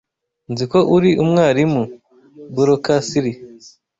Nzi ko uri umwarimu. (boracasli)